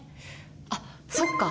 あっそっか。